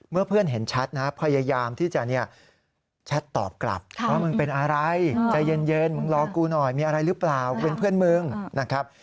เพื่อนเห็นแชทนะพยายามที่จะแชทตอบกลับว่ามึงเป็นอะไรใจเย็นมึงรอกูหน่อยมีอะไรหรือเปล่ากูเป็นเพื่อนมึงนะครับ